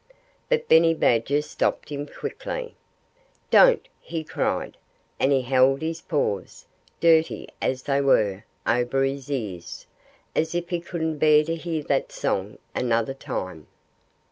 But Benny Badger stopped him quickly. "Don't!" he cried. And he held his paws, dirty as they were, over his ears, as if he couldn't bear to hear that song another time.